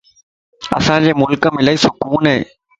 اسان جي ملڪ ڪم الائي سڪون ا